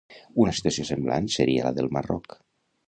Una situació semblant seria la del Marroc.